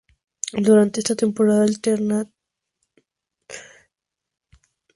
Durante esa temporada alternaría el filial en Segunda B con el primer equipo.